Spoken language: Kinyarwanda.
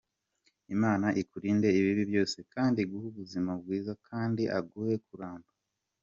Imana ikurinde ibibi byose kandi iguhe ubuzima bwiza kandi aguhe kuramba.